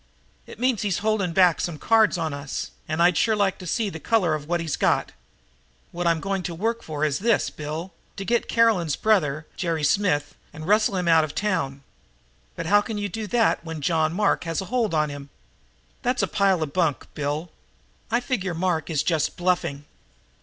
It means he's holding back some cards on us, and I'd sure like to see the color of what he's got. What I'm going to work for is this, Bill: To get Caroline's brother, Jerry Smith, and rustle him out of town." "But how can you do that when John Mark has a hold on him?" "That's a pile of bunk, Bill. I figure Mark is just bluffing.